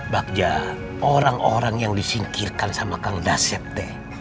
bagja orang orang yang disingkirkan sama kang dasep deh